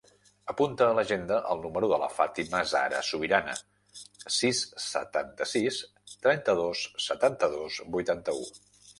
Apunta a l'agenda el número de la Fàtima zahra Subirana: sis, setanta-sis, trenta-dos, setanta-dos, vuitanta-u.